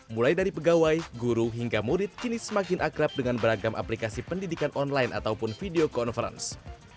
mulai dari pegawai guru hingga murid kini semakin akrab dengan beragam aplikasi pendidikan online ataupun video conference